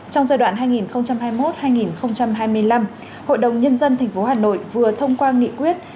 trong giai đoạn hai nghìn hai mươi một hai nghìn hai mươi năm hội đồng nhân dân tp hà nội vừa thông qua nghị quyết